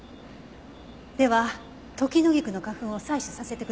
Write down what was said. ではトキノギクの花粉を採取させてください。